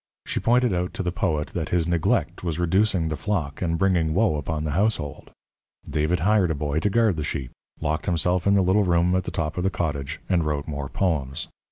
She pointed out to the poet that his neglect was reducing the flock and bringing woe upon the household. David hired a boy to guard the sheep, locked himself in the little room at the top of the cottage, and wrote more poems.